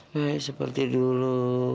baik seperti dulu